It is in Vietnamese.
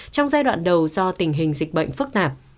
trong giai đoạn đầu do tình hình dịch bệnh phức tạp